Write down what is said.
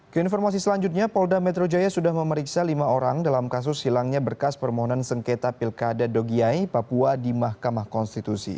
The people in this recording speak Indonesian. keinformasi selanjutnya polda metro jaya sudah memeriksa lima orang dalam kasus hilangnya berkas permohonan sengketa pilkada dogiai papua di mahkamah konstitusi